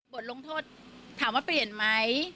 บทลงโทษถามว่าเปลี่ยนไหม